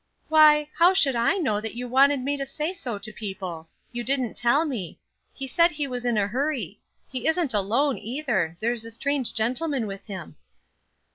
"Why, how should I know that you wanted me to say so to people? You didn't tell me. He said he was in a hurry. He isn't alone, either; there is a strange gentleman with him."